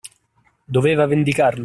Doveva vendicarlo.